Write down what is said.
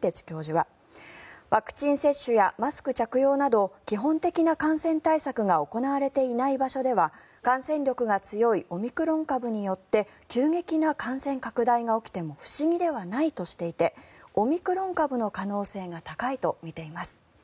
てつ教授はワクチン接種やマスク着用など基本的な感染対策が行われていない場所では感染力が強いオミクロン株によって急激な感染拡大が起きても不思議ではないとしていてオミクロン株の可能性が高いとみています。